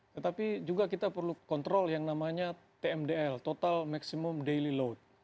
tetapi juga kita perlu kontrol yang namanya tmdl total maksimum daily load